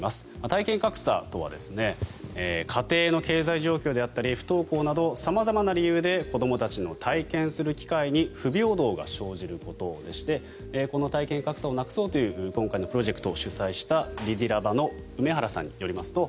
体験格差とは家庭の経済状況であったり不登校など様々な理由で子どもたちの体験する機会に不平等が生じることでしてこの体験格差をなくそうという今回のプロジェクトを取材したリディラバの梅原さんによりますと